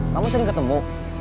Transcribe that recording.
kamu sering ketemu